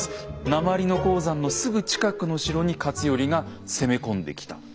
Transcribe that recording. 鉛の鉱山のすぐ近くの城に勝頼が攻め込んできたということは。